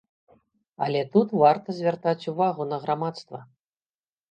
Але тут варта звяртаць увагу на грамадства.